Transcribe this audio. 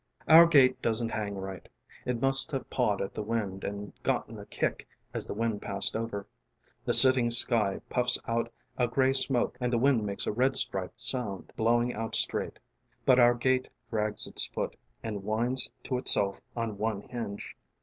Our gate doesn't hang right. It must have pawed at the wind and gotten a kick as the wind passed over. The sitting sky puffs out a gray smoke and the wind makes a red striped sound blowing out straight, but our gate drags its foot and whines to itself on one hinge.